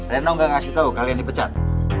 reno gak ngasih tau kalian dipecat